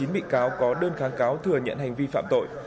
một mươi chín bị cáo có đơn kháng cáo thừa nhận hành vi phạm tội